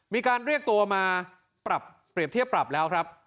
มีการเรียกตัวมาปรับเปรียบเทียบปรับแล้วครับ